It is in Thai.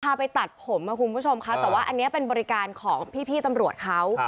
ไปตัดผมคุณผู้ชมค่ะแต่ว่าอันนี้เป็นบริการของพี่ตำรวจเขา